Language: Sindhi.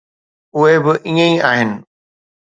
اهي به ائين ئي آهن.